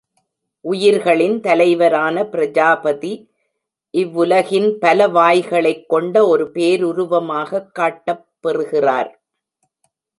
உயிர்களின் தலைவரான பிரஜாபதி இவ்வுலகின் பல வாய்களைக் கொண்ட ஒரு பேருருவமாகக் காட்டப் பெறுகிறார்.